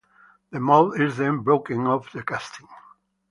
The mold is then broken off the casting.